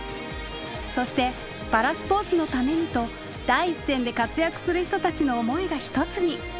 そしてパラスポーツのためにと第一線で活躍する人たちの思いが一つに。